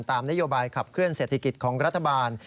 ตามนโยบายขับเคลื่อเศรษฐกิจของรัฐบาล